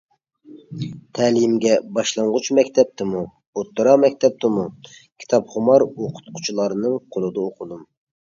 تەلىيىمگە باشلانغۇچ مەكتەپتىمۇ، ئوتتۇرا مەكتەپتىمۇ كىتابخۇمار ئوقۇتقۇچىلارنىڭ قولىدا ئوقۇدۇم.